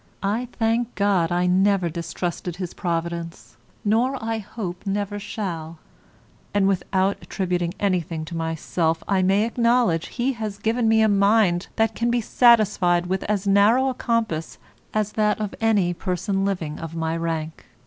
I thank God I never distrusted His providence, nor I hope never shall, and without attributing anything to myself, I may acknowledge He has given me a mind that can be satisfied with as narrow a compass as that of any person living of my rank.